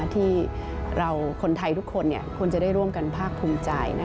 ที่เราคนไทยทุกคนควรจะได้ร่วมกันภาคภูมิใจ